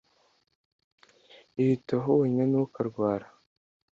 Iyiteho wenyine. Ntukarwara.